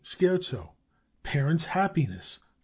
SCHERZO: Parents' happiness.